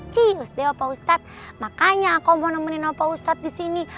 cius deh opa ustad makanya aku mau nemenin opa ustad disini